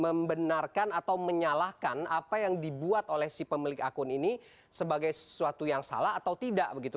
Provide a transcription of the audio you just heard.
membenarkan atau menyalahkan apa yang dibuat oleh si pemilik akun ini sebagai sesuatu yang salah atau tidak begitu